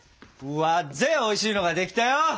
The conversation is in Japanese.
わっぜおいしいのが出来たよ！